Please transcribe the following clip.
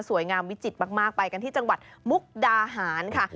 งามวิจิตรมากไปกันที่จังหวัดมุกดาหารค่ะ